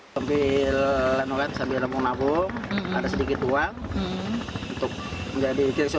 sambil nabung nabung ada sedikit uang